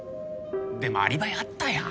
でもアリバイあったやん。